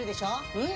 うん？